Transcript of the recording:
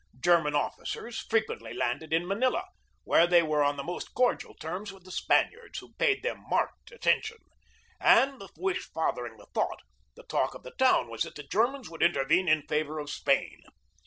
German officers frequently landed in Manila, where they were on the most cordial terms with the Span iards, who paid them marked attention; and, the wish fathering the thought, the talk of the town was that the Germans would intervene in favor of Spain.